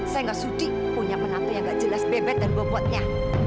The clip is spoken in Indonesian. saya gak sudi punya menaklunya gak jelas bebet dan bobotnya